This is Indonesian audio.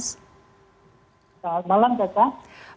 selamat malam caca